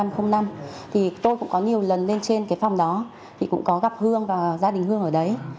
tôi cũng có nhiều lần lên trên phòng đó cũng có gặp hương và gia đình hương ở đấy